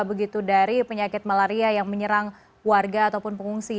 begitu dari penyakit malaria yang menyerang warga ataupun pengungsi